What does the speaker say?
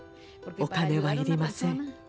お金は要りません。